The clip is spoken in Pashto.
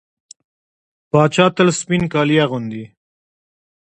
پاچا تل سپين کالي اغوندي .